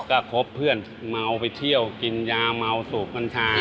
ก็คบเพื่อนเมาไปเที่ยวกินยาเมาสูบกัญชา